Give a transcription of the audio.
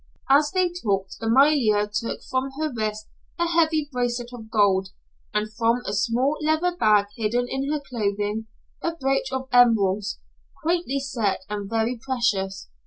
As they talked Amalia took from her wrist a heavy bracelet of gold, and from a small leather bag hidden in her clothing, a brooch of emeralds, quaintly set and very precious.